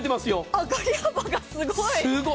上がり幅がすごい。